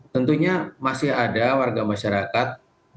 tentunya masih ada warga masyarakat